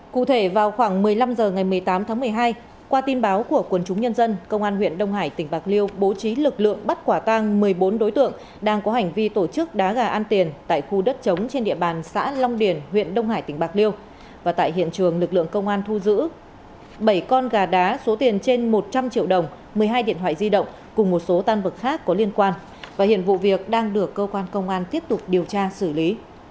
cụ thể vào khoảng một mươi năm h ngày một mươi tám tháng một mươi hai qua tin báo của quân chúng nhân dân công an huyện đông hải tỉnh bạc liêu bố trí lực lượng bắt quả tang một mươi bốn đối tượng đang có hành vi tổ chức đá gà ăn tiền tại khu đất chống trên địa bàn xã long điền huyện đông hải tỉnh bạc liêu và tại hiện trường lực lượng công an thu giữ bảy con gà đá số tiền trên một trăm linh triệu đồng một mươi hai điện thoại di động cùng một số tan vực khác có liên quan và hiện vụ việc đang được cơ quan công an tiếp tục điều tra xử lý